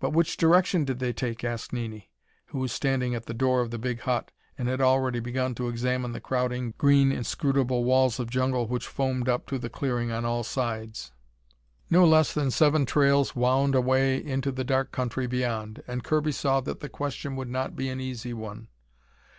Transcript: "But which direction did they take?" asked Nini, who was standing at the door of the big hut and had already begun to examine the crowding, green, inscrutable walls of jungle which foamed up to the clearing on all sides. No less than seven trails wound away into the dark country beyond, and Kirby saw that the question would not be an easy one.